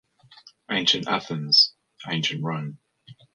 Ancient Athens, Ancient Rome.